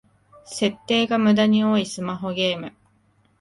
設定がムダに多いスマホゲーム